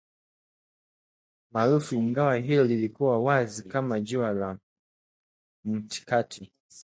maarufu ingawa hilo lilikuwa wazi kama jua la mtikati